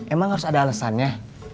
emang harus ada alesannya